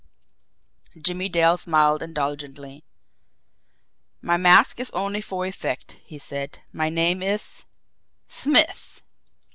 Jimmie Dale smiled indulgently. "My mask is only for effect," he said. "My name is Smith."